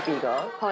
はい。